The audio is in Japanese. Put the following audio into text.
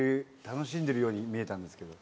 楽しんでるように見えたんですけど。